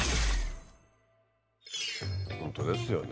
本当ですよね。